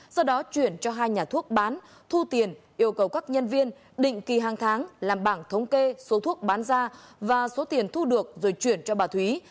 sau đó chuyển cho hai nhà thuốc bán thu tiền yêu cầu các nhân viên định kỳ hàng tháng làm bảng thống kê số thuốc bán ra và số tiền thu được rồi chuyển cho bà thúy